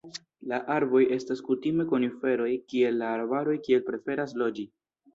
La arboj estas kutime koniferoj kiel la arbaroj kie preferas loĝi.